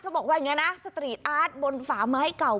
บอกว่าอย่างนี้นะสตรีทอาร์ตบนฝาไม้เก่า